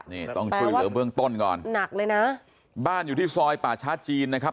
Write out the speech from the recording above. นี่ต้องช่วยเหลือเบื้องต้นก่อนหนักเลยนะบ้านอยู่ที่ซอยป่าช้าจีนนะครับ